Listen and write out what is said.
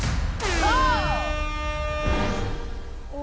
お！